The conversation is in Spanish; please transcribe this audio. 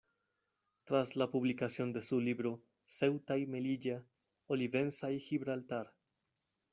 Tras la publicación de su libro "Ceuta y Melilla, Olivenza y Gibraltar.